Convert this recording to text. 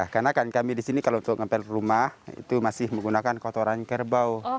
karena kan kami di sini kalau untuk ngepel rumah itu masih menggunakan kotoran kerbau